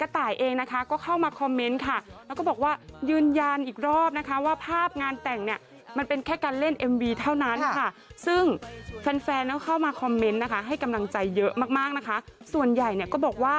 ตอบยังเพิ่งความเทพภาพ